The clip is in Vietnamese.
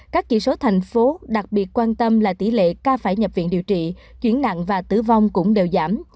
các chỉ số thành phố đặc biệt quan tâm là tỷ lệ ca phải nhập viện điều trị chuyển nặng và tử vong cũng đều giảm